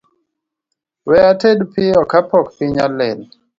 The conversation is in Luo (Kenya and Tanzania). We ated piyo kapok piny olil